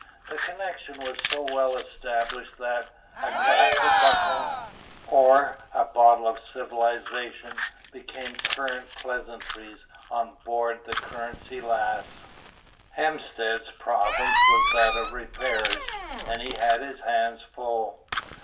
The connection was so well established that "a glass of Buckle" or "a bottle of civilisation" became current pleasantries on board the Currency Lass. Hemstead's province was that of the repairs, and he had his hands full.